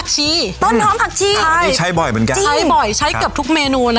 สุโค้ย